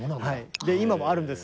今もあるんです。